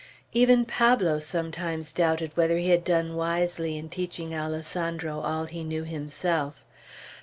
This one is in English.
Even Pablo sometimes doubted whether he had done wisely in teaching Alessandro all he knew himself.